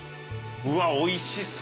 うわっおいしそう。